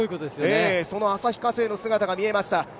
その旭化成の姿が見えました。